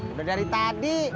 udah dari tadi